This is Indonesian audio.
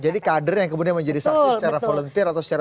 jadi kader yang kemudian menjadi saksi secara